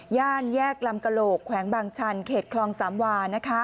แยกลำกระโหลกแขวงบางชันเขตคลองสามวา